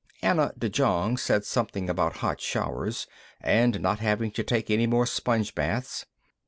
Anna de Jong said something about hot showers, and not having to take any more sponge baths.